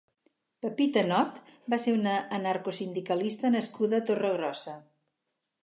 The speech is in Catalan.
Pepita Not va ser una anarcosindicalista nascuda a Torregrossa.